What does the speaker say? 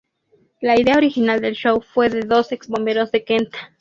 La idea original del show fue de dos ex bomberos de Kent.